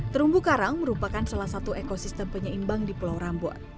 terumbu karang merupakan salah satu ekosistem penyeimbang jenis ikan